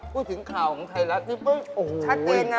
พูดถึงข่าวของไทรัสนี่ก็ชัดเจนนะ